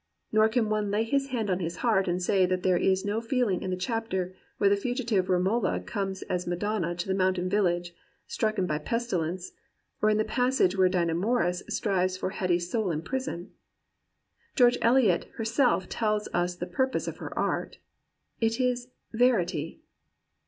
Nor can one lay his hand on his heart and say that there is no feeling in the chapter where the fugitive Romola comes as Madonna to the mountain village, stricken by pestilence, or in the passage where Dinah Morris strives for Hetty's soul in prison. George Eliot herself tells us the purpose of her art — it is verity.